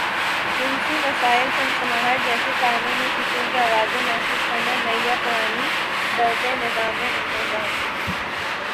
جنسی مسائل سنسناہٹ جیسے کانوں میں سیٹیوں کی آواز محسوس کرنا نئی یا پرانی دردیں نظام انہضام